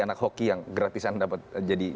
anak hoki yang gratisan dapat jadi